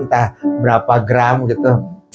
entah berapa gram gitu